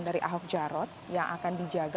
dari ahok jarot yang akan dijaga